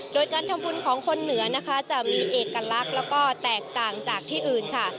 โดยการทำบุญของคนเหนือนะคะจะมีเอกลักษณ์แล้วก็แตกต่างจากที่อื่นค่ะ